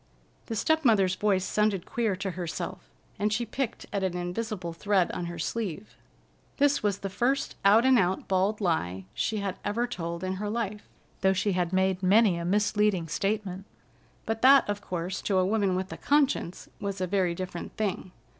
The step mother's voice sounded queer to herself, and she picked at an invisible thread on her sleeve. This was the first out and out bald lie she had ever told in her life, though she had made many a misleading statement; but that, of course, to a woman with a conscience, was a very different thing.